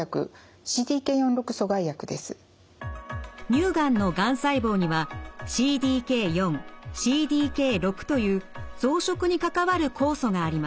乳がんのがん細胞にはＣＤＫ４ＣＤＫ６という増殖に関わる酵素があります。